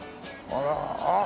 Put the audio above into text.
あら。